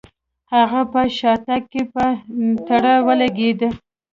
هغه په شاتګ کې په تړه ولګېد.